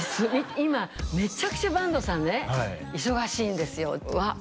今めちゃくちゃ坂東さんね忙しいんですよわっ